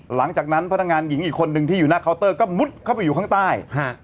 หลังจากนั้นพนักงานหญิงอีกคนนึงที่อยู่หน้าเคาน์เตอร์ก็มุดเข้าไปอยู่ข้างใต้